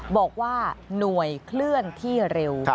บอกว่าหน่วยเคลื่อนที่เร็ว